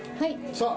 さあ。